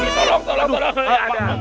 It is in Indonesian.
ini bantuin si pak d